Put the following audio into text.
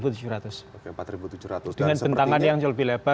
dengan bentangan yang lebih lebar